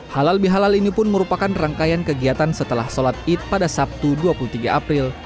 halal bihalal ini pun merupakan rangkaian kegiatan setelah sholat id pada sabtu dua puluh tiga april